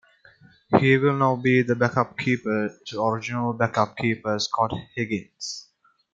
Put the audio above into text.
He will now be the back up keeper to original backup keeper Scott Higgins.